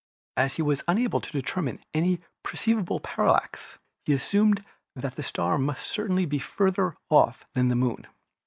As he was unable to determine any perceptible parallax, he as sumed that the star must certainly be farther off than the Moon.